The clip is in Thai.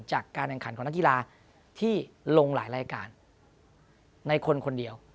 จากการแข่งขันของนักกีฬาที่ลงหลายรายการในคนคนเดียว